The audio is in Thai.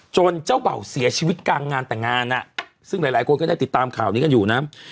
เจ้าเบ่าเสียชีวิตกลางงานแต่งงานซึ่งหลายคนก็ได้ติดตามข่าวนี้กันอยู่นะ